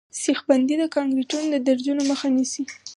سیخ بندي د کانکریټو د درزونو مخه نیسي